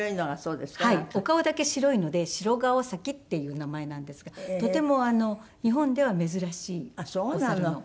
お顔だけ白いのでシロガオサキっていう名前なんですがとても日本では珍しいお猿の種類の一つです。